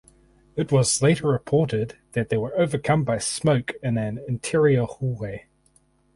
It was later reported that they were overcome by smoke in an interior hallway.